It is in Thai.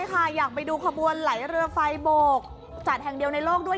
อยากไปดูขบวนไหลเรือไฟโบกจัดแห่งเดียวในโลกด้วย